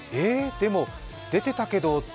でも出てたけど？と